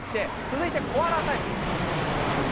続いてコアラタイプいきましょう。